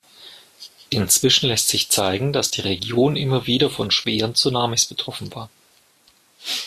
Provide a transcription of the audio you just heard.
Inzwischen lässt sich zeigen, dass die Region immer wieder von schweren Tsunamis betroffen war.